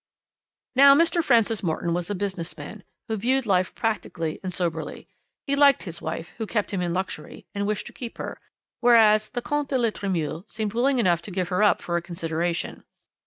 "Now, Mr. Francis Morton was a business man, who viewed life practically and soberly. He liked his wife, who kept him in luxury, and wished to keep her, whereas the Comte de la Tremouille seemed willing enough to give her up for a consideration.